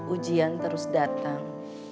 ujian terus datang